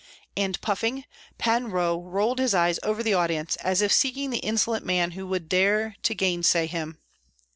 And, puffing, Pan Roh rolled his eyes over the audience, as if seeking the insolent man who would dare to gainsay him.